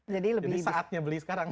jadi saatnya beli sekarang